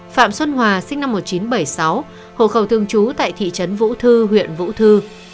phạm xuân hòa sinh năm một nghìn chín trăm bảy mươi sáu hộ khẩu thương chú tại thị trấn vũ thư huyện vũ thư